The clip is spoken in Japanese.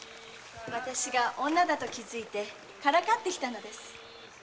私が女だと気づいてからかってきたのです。